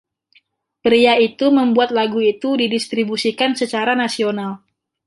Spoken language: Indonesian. Pria itu membuat lagu itu didistribusikan secara nasional.